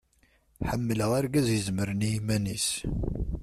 Ḥemmleɣ argaz izemren i yiman-is.